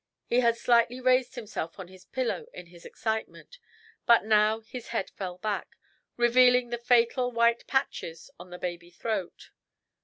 He had slightly raised himself on his pillow in his excitement, but now his head fell back, revealing the fatal white patches on the baby throat.